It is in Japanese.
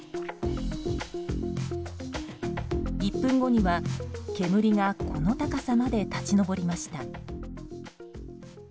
１分後には煙がこの高さまで立ち上りました。